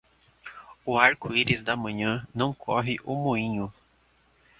O arco-íris da manhã não corre o moinho.